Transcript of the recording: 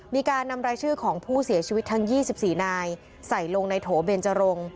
มีการนำรายชื่อของผู้เสียชีวิตทั้ง๒๔นายใส่ลงในโถเบนจรง